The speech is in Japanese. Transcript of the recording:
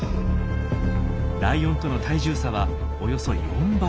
ライオンとの体重差はおよそ４倍。